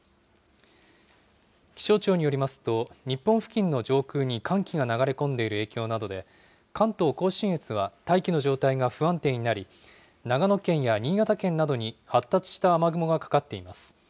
気象庁によりますと、日本付近の上空に寒気が流れ込んでいる影響などで、関東甲信越は大気の状態が不安定になり、長野県や新潟県などに発達した雨雲がかかっています。